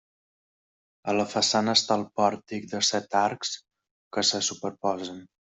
A la façana està el pòrtic de set arcs que se superposen.